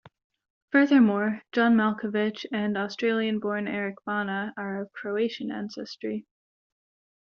Furthermore, John Malkovich and Australian-born Eric Bana are of Croatian ancestry.